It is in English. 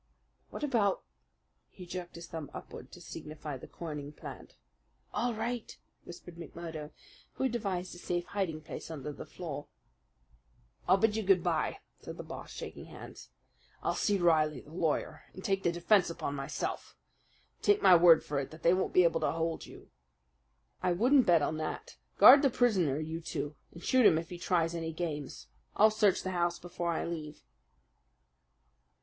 "What about " he jerked his thumb upward to signify the coining plant. "All right," whispered McMurdo, who had devised a safe hiding place under the floor. "I'll bid you good bye," said the Boss, shaking hands. "I'll see Reilly the lawyer and take the defense upon myself. Take my word for it that they won't be able to hold you." "I wouldn't bet on that. Guard the prisoner, you two, and shoot him if he tries any games. I'll search the house before I leave."